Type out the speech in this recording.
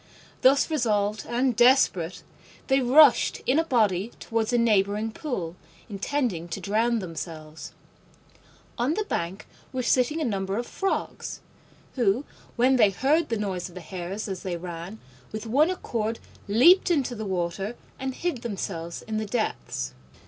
Thus resolved and desperate, they rushed in a body towards a neighbouring pool, intending to drown themselves. On the bank were sitting a number of Frogs, who, when they heard the noise of the Hares as they ran, with one accord leaped into the water and hid themselves in the depths.